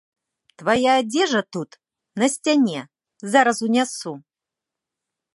Твая адзежа тут, на сцяне, зараз унясу.